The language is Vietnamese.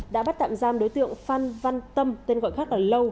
đã bắt tạm giam đối tượng phan văn tâm tên gọi khác ở lâu